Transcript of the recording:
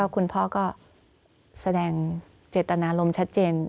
คุณพ่อก็แสดงเจตนารมณ์ชัดเจน